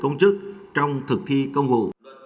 công chức trong thực thi công hồ